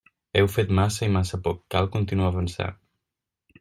Heu fet massa i massa poc; cal continuar avançant.